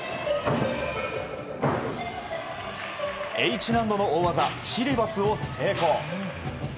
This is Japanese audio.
Ｈ難度の大技、シリバスを成功。